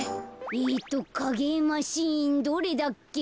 えっとかげえマシンどれだっけ？